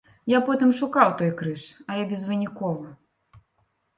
Я потым шукаў той крыж, але безвынікова.